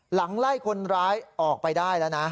หลังไล่คนร้ายออกไปได้แล้วนะ